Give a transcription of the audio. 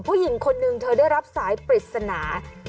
ผู้หญิงคนนึงเธอได้รับสายปริศนา